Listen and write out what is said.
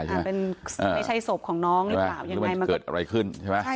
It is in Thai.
ส่วนไปใช้ศพของน้องหรือเปล่า